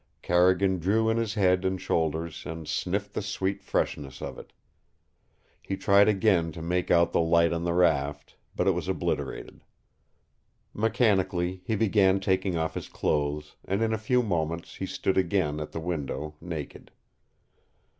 Carrigan drew in his head and shoulders and sniffed the sweet freshness of it. He tried again to make out the light on the raft, but it was obliterated. Mechanically he began taking off his clothes, and in a few moments he stood again at the window, naked.